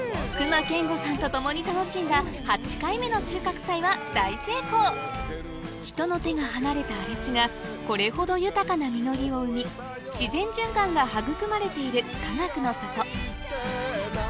隈研吾さんと共に楽しんだ人の手が離れた荒れ地がこれほど豊かな実りを生み自然循環が育まれているかがくの里